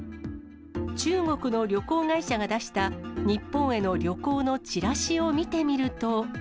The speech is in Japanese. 中国の旅行会社が出した日本への旅行のチラシを見てみると。